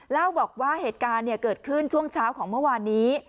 เล่าบอกว่าเหตุการณ์เกิดขึ้นช่วงเช้าของเมื่อวานนี้